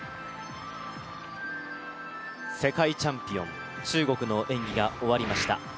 世界チャンピオン中国の演技が終わりました。